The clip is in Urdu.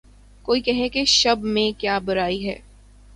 کوئی کہے کہ‘ شبِ مہ میں کیا برائی ہے